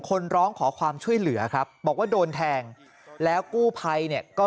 คนร้องขอความช่วยเหลือครับบอกว่าโดนแทงแล้วกู้ภัยเนี่ยก็